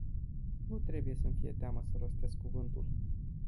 Nu trebuie să-mi fie teamă să rostesc cuvântul...